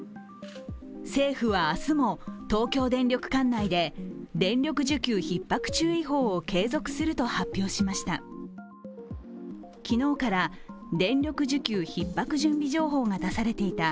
政府は明日も東京電力管内で電力需給ひっ迫注意報を継続すると発表しました。